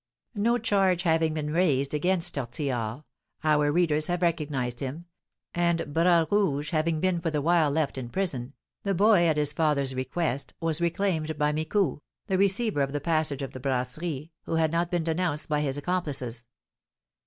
No charge having been raised against Tortillard (our readers have recognised him), and Bras Rouge having been for the while left in prison, the boy, at his father's request, was reclaimed by Micou, the receiver of the passage of the Brasserie, who had not been denounced by his accomplices.